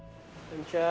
こんにちは。